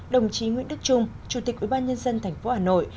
đồng chí nguyễn đức trung chủ tịch ủy ban nhân dân thành phố hà nội